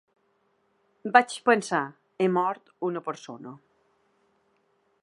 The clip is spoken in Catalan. Vaig pensar: he mort una persona.